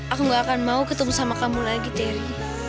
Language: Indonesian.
aku gak akan mau ketemu sama kamu lagi terry